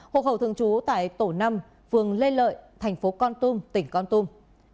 hộ khẩu thường trú tại tổ năm phường lê lợi thành phố con tum tỉnh con tum